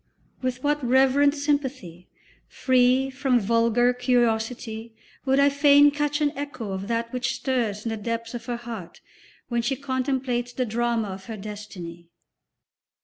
With what reverent sympathy, free from vulgar curiosity, would I fain catch an echo of that which stirs in the depths of her heart when she contemplates the drama of her destiny.